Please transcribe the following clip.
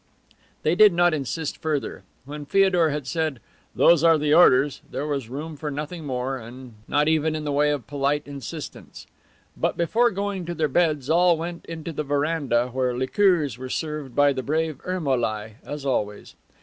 They did not insist further. When Feodor had said, "Those are the orders," there was room for nothing more, not even in the way of polite insistence. But before going to their beds all went into the veranda, where liqueurs were served by the brave Ermolai, as always.